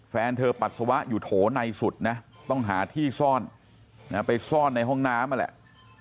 แฟนเธอปัสสาวะอยู่โถในสุดนะต้องหาที่ซ่อนไปซ่อนในห้องน้ำนั่นแหละ